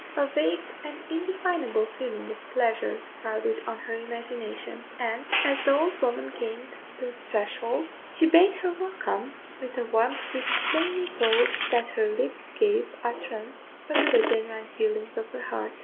A vague and indefinable feeling of pleasure crowded on her imagination; and, as the old woman gained the threshold, she bade her "welcome" with a warmth which plainly told that her lips gave utterance but to the genuine feelings of her heart.